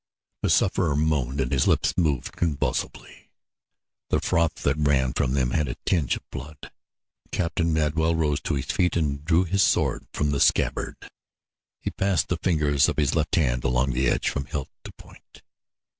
The sufferer moaned and his lips moved convulsively. The froth that ran from them had a tinge of blood. Captain Madwell rose to his feet and drew his sword from the scabbard. He passed the fingers of his left hand along the edge from hilt to point.